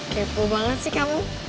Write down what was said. kepul banget sih kamu